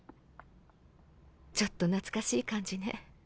ちょっと懐かしい感じね。